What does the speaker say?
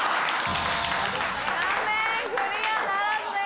残念クリアならずです。